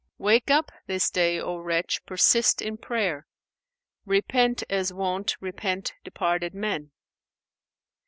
Wake up this day, O wretch, persist in prayer, * Repent as wont repent departed men.